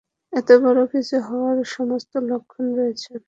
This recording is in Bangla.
এতে বড় কিছু হওয়ার সমস্ত লক্ষণ রয়েছে।